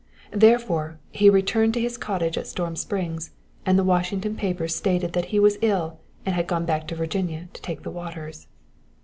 Therefore, he returned to his cottage at Storm Springs, and the Washington papers stated that he was ill and had gone back to Virginia to take the waters.